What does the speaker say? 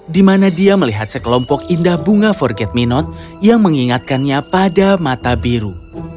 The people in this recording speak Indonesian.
di mana dia melihat sekelompok indah bunga forget me not yang mengingatkannya pada mata biru